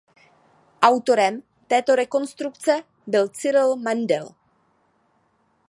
Autorem této rekonstrukce byl Cyril Mandel.